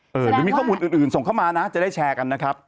หรือมีข้อมูลอื่นส่งเข้ามานะจะได้แชร์กันนะครับ